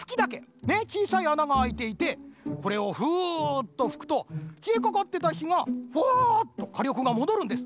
ちいさいあながあいていてこれをフーッとふくときえかかってたひがフワーッとかりょくがもどるんです。